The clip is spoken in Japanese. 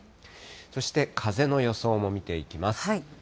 そして風の予想も見ていきます。